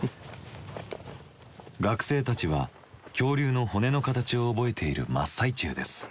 学生たちは恐竜の骨の形を覚えている真っ最中です。